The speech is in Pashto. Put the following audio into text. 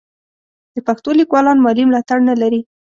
د پښتو لیکوالان مالي ملاتړ نه لري.